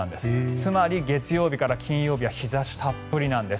つまり月曜日から金曜日は日差したっぷりなんです。